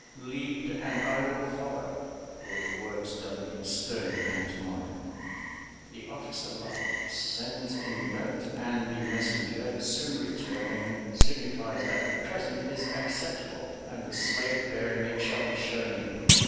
"Lead and I will follow," were the words done in stern pantomime. The officer laughs, sends in the note, and the messenger soon returning, signifies that the present is acceptable and the slave bearing it shall be shown in.